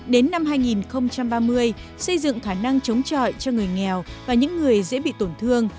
đến năm hai nghìn ba mươi xây dựng khả năng chống trọi cho người nghèo và những người dễ bị tổn thương